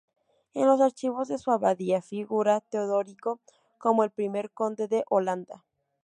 En los archivos de su abadía figura Teodorico como el primer conde de Holanda.